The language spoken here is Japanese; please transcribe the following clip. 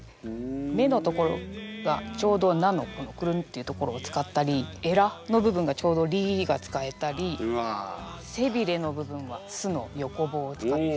目の所がちょうど「な」のクルンッていう所を使ったりエラの部分がちょうど「り」が使えたり背びれの部分は「す」の横棒を使って。